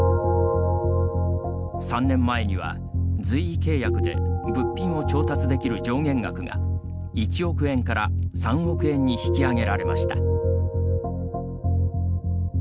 ３年前には、随意契約で物品を調達できる上限額が１億円から３億円に引き上げられました。